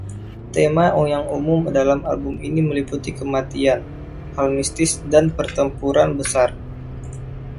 Tema yang umum dalam album ini meliputi kematian, hal mistis dan pertempuran besar.